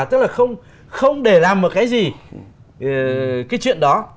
tức là không để làm một cái gì cái chuyện đó